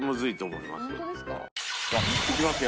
いきますよ。